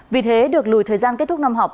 vì thế được lùi thời gian kết thúc năm học